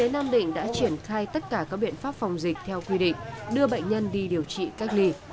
nam định đã triển khai tất cả các biện pháp phòng dịch theo quy định đưa bệnh nhân đi điều trị cách ly